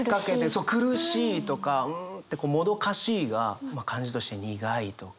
そう苦しいとかうんってこうもどかしいがまあ感じとして苦いとか。